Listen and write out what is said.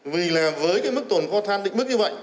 vì là với cái mức tồn kho than định mức như vậy